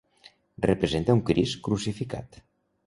Representa un Crist crucificat.